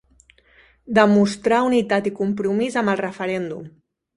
Demostrar unitat i compromís amb el referèndum.